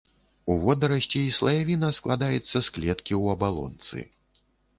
У водарасцей слаявіна складаецца з клеткі ў абалонцы.